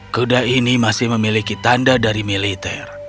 kuda ini masih memiliki tanda dari militer